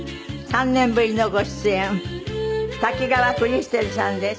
３年ぶりのご出演滝川クリステルさんです。